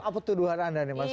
apa tuduhan anda nih mas